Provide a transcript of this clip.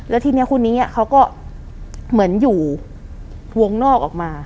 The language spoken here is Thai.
แล้วทีนี้คนนี้เขาก็เหมือนอยู่วงนอกออกมา